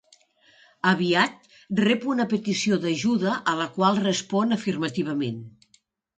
Aviat rep una petició d'ajuda a la qual respon afirmativament.